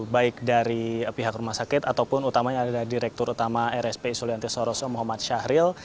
baik dari pihak rumah sakit ataupun utamanya ada direktur utama rspi sulianti saroso muhammad syahril